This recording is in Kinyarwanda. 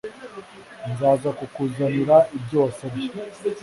nzaza kukuzanira ibyo wasabye